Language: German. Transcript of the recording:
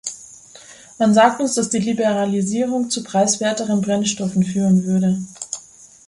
Man sagt uns, dass die Liberalisierung zu preiswerteren Brennstoffen führen würde.